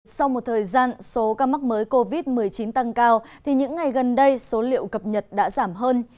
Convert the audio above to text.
sau một thời gian số ca mắc mới covid một mươi chín tăng cao thì những ngày gần đây số liệu cập nhật đã giảm hơn